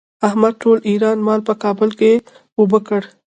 احمد ټول ايران مال په کابل کې اوبه کړ.